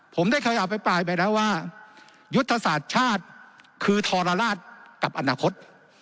ผมได้เคยอภิปรายไปแล้วว่ายุทธศาสตร์ชาติคือทรลาศกับอนาคต